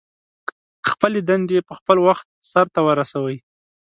خپلې دندې په خپل وخت سرته ورسوئ.